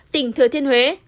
tỉnh thừa thiên huế